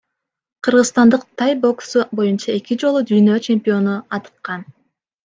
Кыргызстандык тай боксу боюнча эки жолу дүйнө чемпиону атыккан.